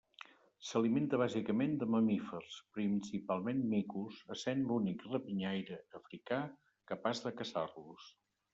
S'alimenta bàsicament de mamífers, principalment micos, essent l'únic rapinyaire africà capaç de caçar-los.